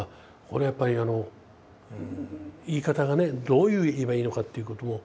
これはやっぱり言い方がねどういう言えばいいのかっていうことを。